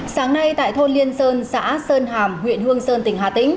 sáng nay tại thôn liên sơn xã sơn hàm huyện hương sơn tỉnh hà tĩnh